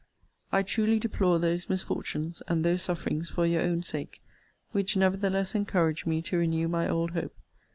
I truly deplore those misfortunes, and those sufferings, for your own sake; which nevertheless encourage me to renew my old hope.